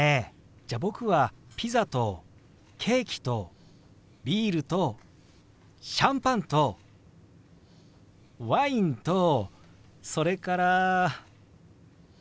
じゃあ僕はピザとケーキとビールとシャンパンとワインとそれから。